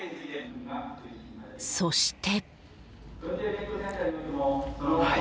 ［そして］